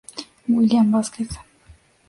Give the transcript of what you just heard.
William Vásquez